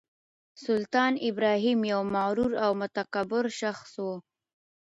سلطان ابراهیم یو مغرور او متکبر شخص و.